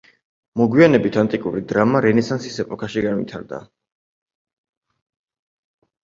მოგვიანებით ანტიკური დრამა რენესანსის ეპოქაში განვითარდა.